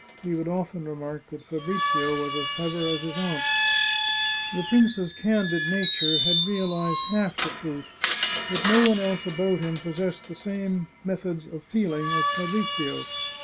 He would often remark that Fabrizio was as clever as his aunt. The prince's candid nature had realized half the truth, that no one else about him possessed the same meth ods of feeling as Fabrizio.